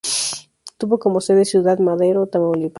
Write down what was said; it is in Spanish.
Tuvo como sede Ciudad Madero, Tamaulipas.